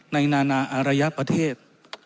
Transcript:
นานาอารยประเทศ